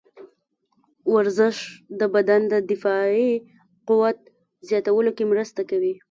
ورزش د بدن د دفاعي قوت زیاتولو کې مرسته کوي.